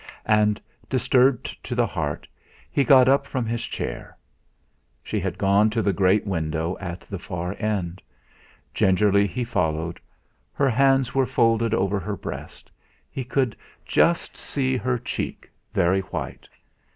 And disturbed to the heart, he got up from his chair. She had gone to the great window at the far end. Gingerly he followed. Her hands were folded over her breast; he could just see her cheek, very white.